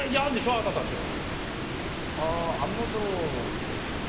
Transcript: あなたたちが。